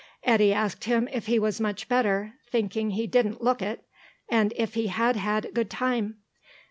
Eddy asked him if he was much better, thinking he didn't look it, and if he had had a good time.